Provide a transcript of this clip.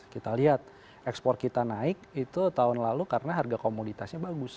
kita lihat ekspor kita naik itu tahun lalu karena harga komoditasnya bagus